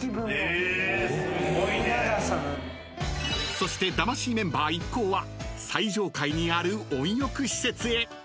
［そして魂メンバー一行は最上階にある温浴施設へ］